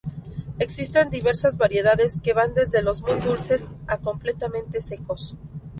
Existen diversas variedades, que van desde los muy dulces a completamente secos.